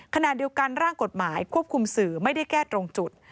ขณะเดียวกันร่างกฎหมายควบคุมสื่อไม่ได้แก้ตรงจุด